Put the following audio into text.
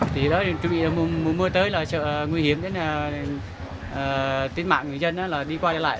từ đó đến mùa mưa tới là nguy hiểm tên mạng người dân đi qua đây lại